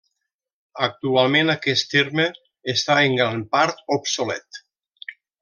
Actualment aquest terme està en gran part obsolet.